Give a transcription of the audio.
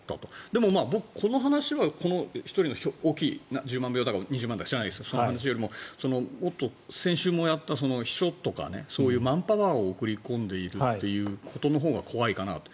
でも、僕、この話は１人の、大きい１０万だか知らないですけどその話よりも、もっと先週もやった秘書とかそういうマンパワーを送り込んでいるということのほうが怖いかなと。